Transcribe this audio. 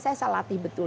saya latih betul